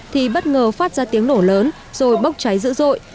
thì bất ngờ phát ra tiếng nổ lớn rồi bốc cháy dữ dội